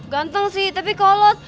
ganteng sih tapi kolot